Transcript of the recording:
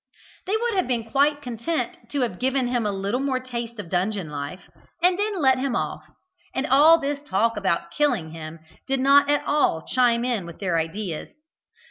They would have been quite content to have given him a little more taste of dungeon life, and then let him off, and all this talk about killing him did not at all chime in with their ideas.